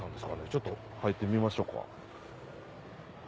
ちょっと入ってみましょうか。